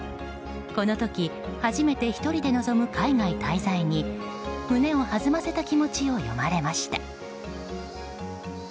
この時、初めて１人で臨む海外滞在に胸をはずませた気持ちを読まれました。